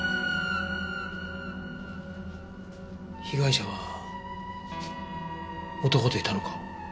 被害者は男といたのか？